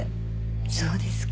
そうですか。